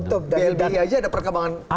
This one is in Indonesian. tentu blbi aja ada perkembangan signifikan